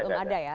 enggak ada ya